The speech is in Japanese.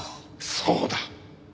そうだ。